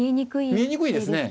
見えにくいですね。